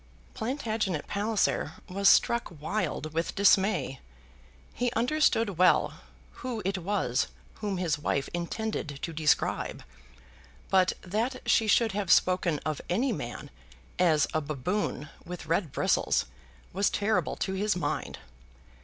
Plantagenet Palliser was struck wild with dismay. He understood well who it was whom his wife intended to describe; but that she should have spoken of any man as a baboon with red bristles, was terrible to his mind!